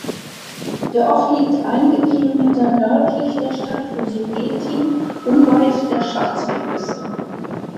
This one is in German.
Der Ort liegt einige Kilometer nördlich der Stadt Osurgeti unweit der Schwarzmeerküste.